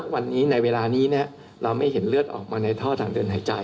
วันนี้ในเวลานี้เราไม่เห็นเลือดออกมาในท่อทางเดินหายใจ